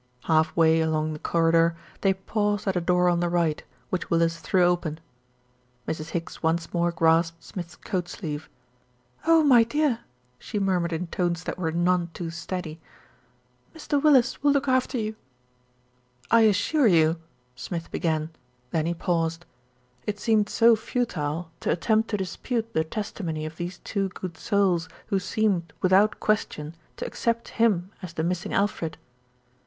Half way along the corridor, they paused at a door on the right, which Willis threw open. Mrs. Higgs once more grasped Smith's coat sleeve. "Oh, my dear !" she murmured in tones that were none too steady. "Mr. Willis will look after you." A QUESTION OF IDENTITY 39 "I assure you " Smith began, then he paused. It seemed so futile to attempt to dispute the testimony of these two good souls who seemed, without question, to accept him as the missing Alfred.